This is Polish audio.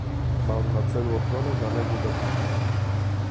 Ma on na celu ochronę danego gatunku